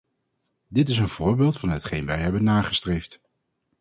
Dit is een voorbeeld van hetgeen wij hebben nagestreefd.